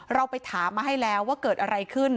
เราไปถามมาให้แล้วว่าเกิดอะไรขึ้น